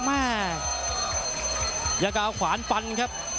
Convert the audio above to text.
มากอยากจะเอาขวานฟันครับ